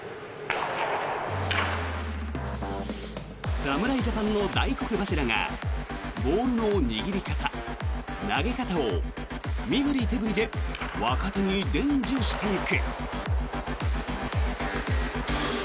侍ジャパンの大黒柱がボールの握り方、投げ方を身振り手振りで若手に伝授していく。